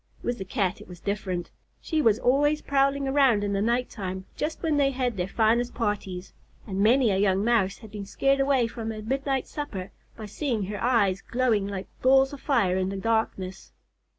With the Cat it was different. She was always prowling around in the night time, just when they had their finest parties; and many a young Mouse had been scared away from a midnight supper by seeing her eyes glowing like balls of fire in the darkness.